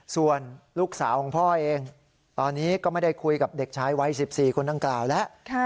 ส่วนลูกสาวของพ่อเองตอนนี้ก็ไม่ได้คุยกับเด็กชายวัย๑๔คนดังกล่าวแล้ว